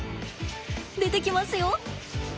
出てきますよ。